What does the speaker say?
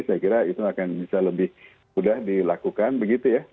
saya kira itu akan bisa lebih mudah dilakukan begitu ya